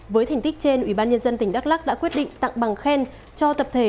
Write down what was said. với thành tích trên ủy ban nhân dân tỉnh đắk lắc đã quyết định tặng bằng khen cho tập thể